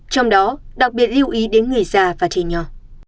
trong đó đặc biệt lưu ý đến người già và trẻ nhỏ